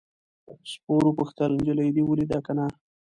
سپور وپوښتل نجلۍ دې ولیده که نه.